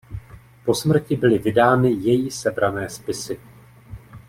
Po smrti byly vydány její sebrané spisy.